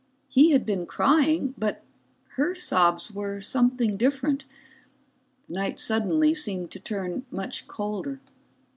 He had been crying, but her sobs were something different. The night suddenly seemed to turn much colder.